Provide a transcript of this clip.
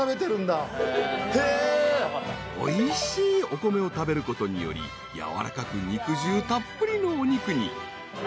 ［おいしいお米を食べることにより軟らかく肉汁たっぷりのお肉に］